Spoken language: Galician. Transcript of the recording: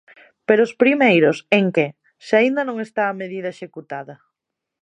Pero os primeiros ¿en que?, se aínda non está a medida executada.